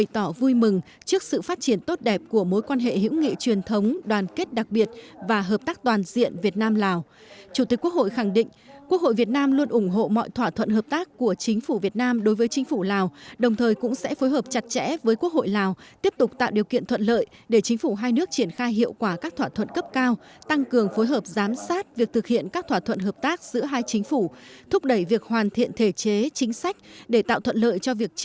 trước sự phát triển tốt đẹp của mối quan hệ hữu nghị truyền thống đoàn kết đặc biệt và hợp tác toàn diện việt nam lào chủ tịch quốc hội khẳng định quốc hội việt nam luôn ủng hộ mọi thỏa thuận hợp tác của chính phủ việt nam đối với chính phủ lào đồng thời cũng sẽ phối hợp chặt chẽ với quốc hội lào tiếp tục tạo điều kiện thuận lợi để chính phủ hai nước triển khai hiệu quả các thỏa thuận cấp cao tăng cường phối hợp giám sát việc thực hiện các thỏa thuận hợp tác giữa hai chính phủ thúc đẩy việc hoàn thiện thể chế chính sách để tạo